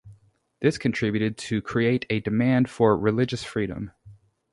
This contributed to create a demand for religious freedom.